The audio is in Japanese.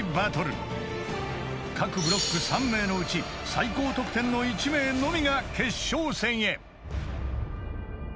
［各ブロック３名のうち最高得点の１名のみが決勝戦へ］